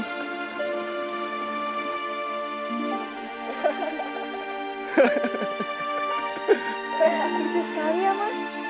saya agak lucu sekali ya mas